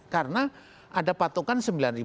karena ada patokan sembilan empat ratus lima puluh